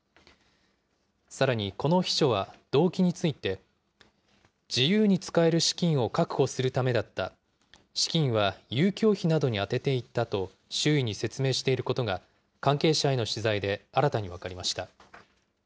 さらに、この秘書は動機について、自由に使える資金を確保するためだった、資金は遊興費などに充てていたと周囲に説明していることが、関係者への取材で新たに分かりました。